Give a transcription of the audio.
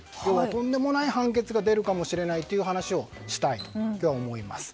とんでもない判決が出るかもしれないという話をしたいと思います。